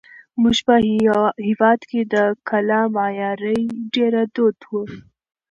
زموږ په هېواد کې د کلا معمارۍ ډېره دود وه.